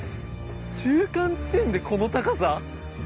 中間地点でこの高さ。